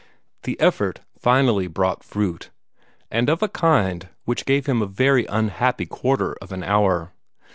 The effort finally brought fruit and of a kind which gave him a very unhappy quarter of an hour.